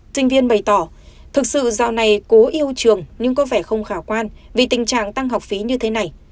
sinh viên bày tỏ thực sự do này cố yêu trường nhưng có vẻ không khả quan vì tình trạng tăng học phí như thế này